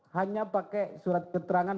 hanya pakai surat keterangan